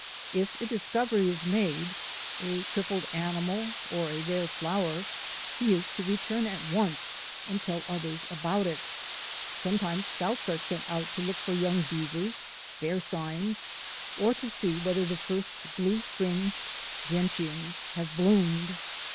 If a discovery is made — a crippled animal or a rare flower — he is to return at once and tell others about it. Sometimes scouts are sent out to look for young beavers, bear signs, or to see whether the first blue fringed gentians have bloomed.